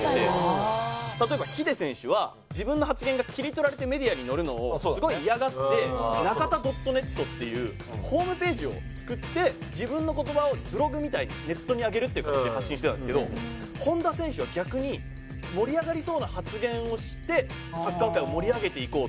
例えばヒデ選手は自分の発言が切り取られてメディアに載るのをすごい嫌がってｎａｋａｔａ．ｎｅｔっていうホームページを作って自分の言葉をブログみたいにネットに上げるっていう形で発信してたんですけど本田選手は逆に盛り上がりそうな発言をしてサッカー界を盛り上げていこうっていうふうに。